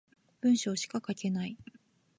文章しか書けない